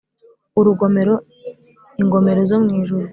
Urugomero ingomero zo mu ijuru